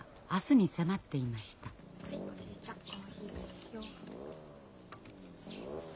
はいおじいちゃんコーヒーですよ。